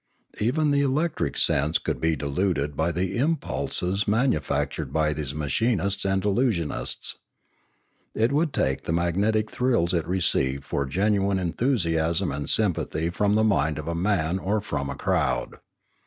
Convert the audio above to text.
Even Pioneering \. 457 the electric sense could be deluded by the impulses man ufactured by these machinists and illusionists; it would take the magnetic thrills it received for genuine en thusiasm and sympathy from the mind of a man or from a crowd.